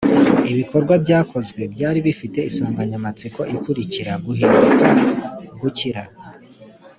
Ibikorwa byakozwe byari bifite insanganyamatsiko ikurikira Guhinduka gukira